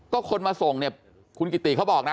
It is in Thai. ก็คนมาส่งเนี่ยคุณกิติเขาบอกนะ